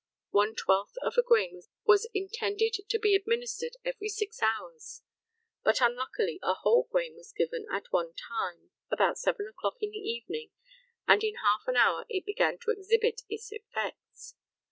One twelfth of a grain was intended to be administered every six hours; but unluckily a whole grain was given at one time, about 7 o'clock in the evening, and in half an hour it began to exhibit its effects.